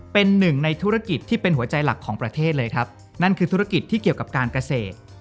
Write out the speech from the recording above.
เป็นหนึ่งในธุรกิจที่เป็นหัวใจหลักของประเทศเลยครับนั่นคือธุรกิจที่เกี่ยวกับการเกษตร